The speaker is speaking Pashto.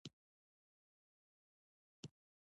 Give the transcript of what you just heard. د پسرلی رڼا هم د دوی په زړونو کې ځلېده.